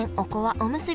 おむすび